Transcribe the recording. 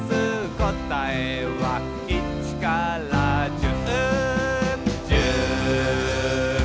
「こたえは１から１０」